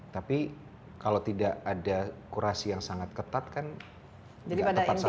tapi kalau tidak ada kurasi yang sangat ketat kan nggak tepat sasaran